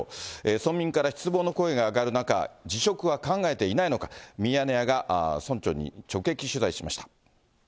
村民から失望の声が上がる中、辞職は考えていないのか、ミヤネ屋が村長に直撃取材しました。